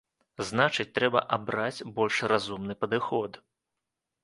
Значыць, трэба абраць больш разумны падыход.